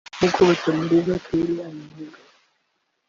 nk’uko Batamuriza Claire abivuga